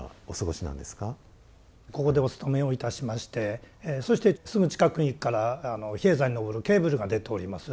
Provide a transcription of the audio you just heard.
ここでお勤めをいたしましてそしてすぐ近くから比叡山に上るケーブルが出ております。